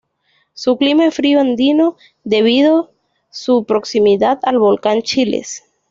Su clima es frío andino debido su proximidad al volcán Chiles.